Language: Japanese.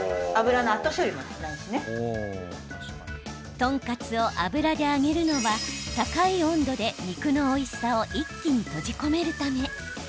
豚カツを油で揚げるのは高い温度で、肉のおいしさを一気に閉じ込めるため。